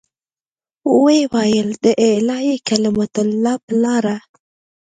ويې ويل د اعلاى کلمة الله په لاره.